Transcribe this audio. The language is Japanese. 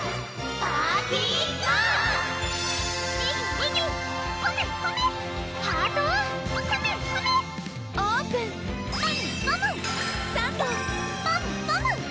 パムパム！